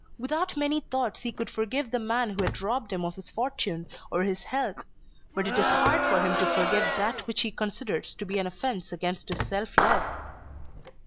Without many thoughts he could forgive the man who had robbed him of his fortune, or his health. But it is hard for him to forgive that which he considers to be an offence against his self love."